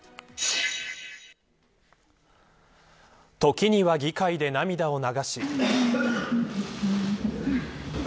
時には議会で涙を流し。